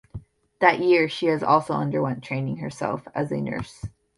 That year she also underwent training herself as a nurse.